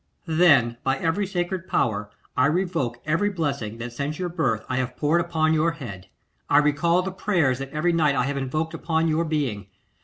'Then by every sacred power I revoke every blessing that since your birth I have poured upon your head. I recall the prayers that every night I have invoked upon your being.